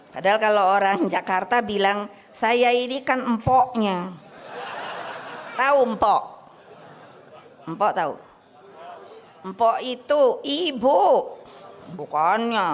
padahal kalau orang jakarta bilang saya ini kan mpoknya tahu mpok mpok tahu mpok itu ibu bukannya